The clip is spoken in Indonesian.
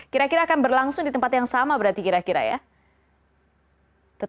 kira kira akan berlangsung di tempat yang sama berarti kira kira ya